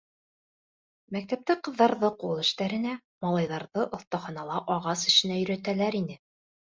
Мәктәптә ҡыҙҙарҙы — ҡул эштәренә, малайҙарҙы оҫтаханала ағас эшенә өйрәтәләр ине.